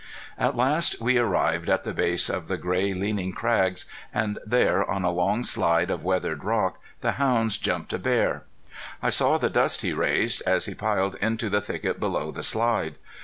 At last we arrived at the base of the gray leaning crags, and there, on a long slide of weathered rock the hounds jumped a bear. I saw the dust he raised, as he piled into the thicket below the slide.